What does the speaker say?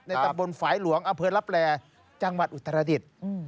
ในตำบลฝ่ายหลวงอเผินรับแร่จังหวัดอุตรศาสตร์